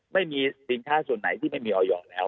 ไม่มีสินค้าส่วนไหนที่ไม่มีออยอร์แล้ว